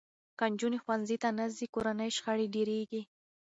که نجونې ښوونځي ته نه ځي، کورني شخړې ډېرېږي.